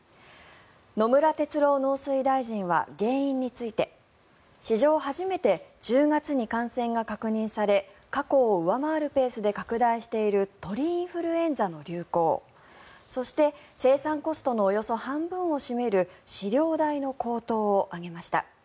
野村哲郎農水大臣は原因について史上初めて１０月に感染が確認され過去を上回るペースで拡大している鳥インフルエンザの流行そして生産コストのおよそ半分を占める飼料代の高騰を挙げました。